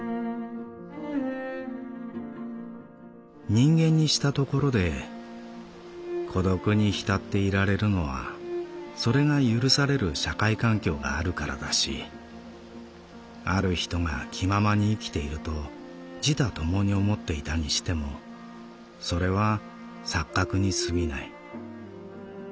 「人間にしたところで孤独に浸っていられるのはそれが許される社会環境があるからだしある人が気ままに生きていると自他共に思っていたにしてもそれは錯覚にすぎない。